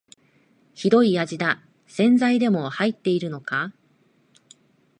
ひどい味だ、洗剤でも入ってるのか